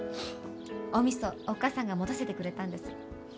おみそ、おっ母さんが持たせてくれたんです。